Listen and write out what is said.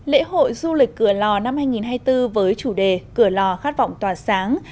lễ hội du lịch cửa lò năm hai nghìn hai mươi bốn với chủ đề cửa lò khát vọng tỏa sáng